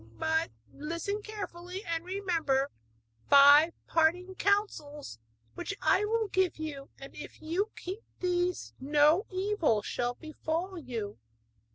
But listen carefully, and remember five parting counsels which I will give you; and if you keep these no evil shall befall you.